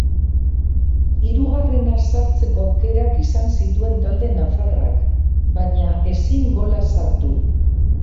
Hirugarrena sartzeko aukerak izan zituen talde nafarrak, baina ezin gola sartu.